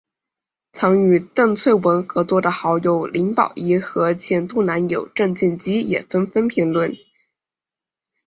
曾与邓萃雯合作的好友林保怡和前度男友郑敬基也纷纷评论。